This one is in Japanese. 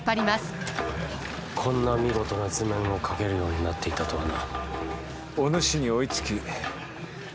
こんな見事な図面を描けるようになっていたとはな。